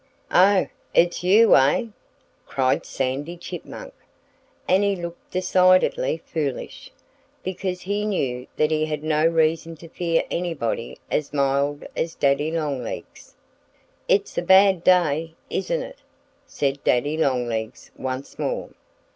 "Oh! It's you, eh?" cried Sandy Chipmunk. And he looked decidedly foolish, because he knew that he had no reason to fear anybody as mild as Daddy Longlegs. "It's a bad day, isn't it!" said Daddy Longlegs once more.